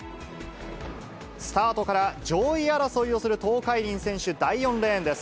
スタートから上位争いをする東海林選手、第４レーンです。